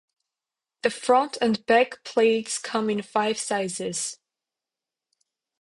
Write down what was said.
The front and back plates come in five sizes.